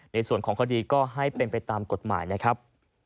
ในส่วนของคดีก็ให้เป็นไปตามกฎหมายนะครับ